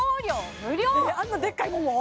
あんなでっかいもんを？